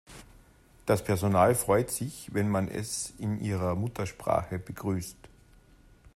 Das Personal freut sich, wenn man es in ihrer Muttersprache begrüßt.